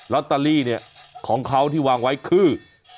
ลอตเตอรี่เนี่ยของเขาที่วางไว้คือ